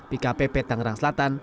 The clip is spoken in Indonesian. pkpp tangerang selatan